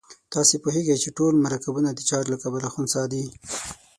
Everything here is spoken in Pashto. تاسې پوهیږئ چې ټول مرکبونه د چارج له کبله خنثی دي.